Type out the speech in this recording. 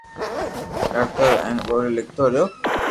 ڪرتو رھيو ھين ٻولي لکتو رھيو